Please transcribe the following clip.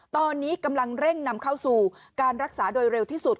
ตอนนี้กำลังเร่งนำเข้าสู่การรักษาโดยเร็วที่สุด